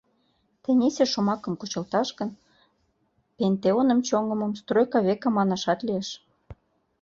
Тенийсе шомакым кучылташ гын, пентеоным чоҥымым «стройка века» манашат лиеш.